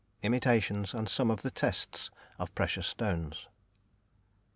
IMITATIONS, AND SOME OF THE TESTS, OF PRECIOUS STONES.